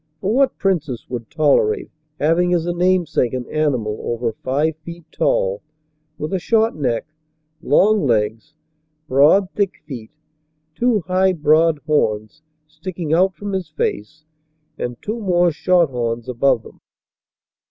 For what princess would tolerate having as a namesake an animal over five feet tall, with a short neck, long legs, broad, thick feet, two high broad horns sticking out from his face, and two more short horns above them